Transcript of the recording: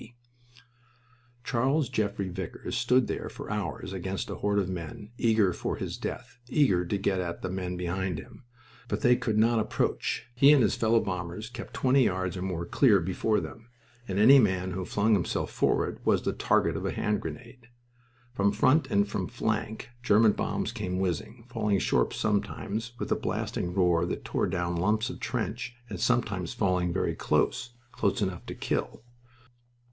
C. Charles Geoffrey Vickers stood there for hours against a horde of men eager for his death, eager to get at the men behind him. But they could not approach. He and his fellow bombers kept twenty yards or more clear before them, and any man who flung himself forward was the target of a hand grenade. From front and from flank German bombs came whizzing, falling short sometimes, with a blasting roar that tore down lumps of trench, and sometimes falling very close close enough to kill.